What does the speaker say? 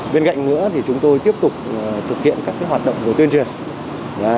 bên cạnh nữa thì chúng tôi tiếp tục thực hiện các cái hoạt động của tuyên truyền